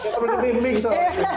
ada teman teman yang mimpi